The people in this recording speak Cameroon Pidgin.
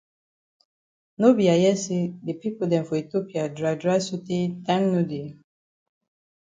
No be I hear say the pipo dem for Ethiopia dry dry so tey time no dey.